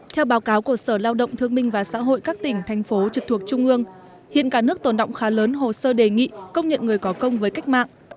theo báo cáo của sở lao động thương minh và xã hội các tỉnh thành phố trực thuộc trung ương hiện cả nước tồn động khá lớn hồ sơ đề nghị công nhận người có công với cách mạng